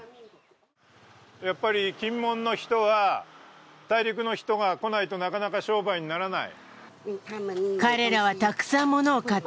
やっぱり金門の人は大陸の人が来ないとなかなか商売にならない？